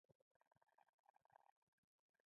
ستوري یې اوري چوپه شپه یې اوري